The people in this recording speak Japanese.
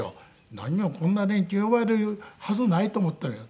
何をこんな連中呼ばれるはずないと思ったら。